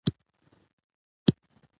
ایوب خان له بندي توبه نه وو خوشحاله.